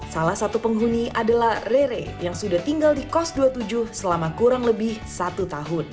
salah satu penghuni adalah rere yang sudah tinggal di kos dua puluh tujuh selama kurang lebih satu tahun